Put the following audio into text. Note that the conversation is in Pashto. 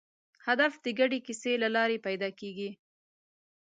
هدف د ګډې کیسې له لارې پیدا کېږي.